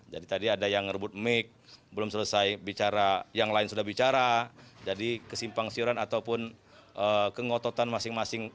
jadi tadi ada yang rebut mic belum selesai bicara yang lain sudah bicara jadi kesimpang siuran ataupun kengototan masing masing